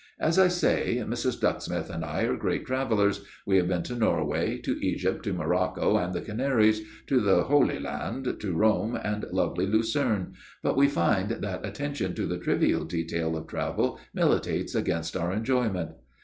As I say, Mrs. Ducksmith and I are great travellers we have been to Norway, to Egypt, to Morocco and the Canaries, to the Holy Land, to Rome, and lovely Lucerne but we find that attention to the trivial detail of travel militates against our enjoyment."